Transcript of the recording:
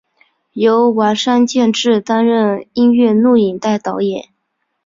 由丸山健志担任音乐录影带导演。